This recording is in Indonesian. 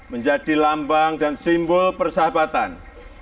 menjadi lambang dan simbol persahabatan